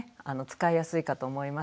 使いやすいかと思います。